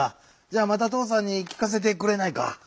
じゃあまたとうさんにきかせてくれないか？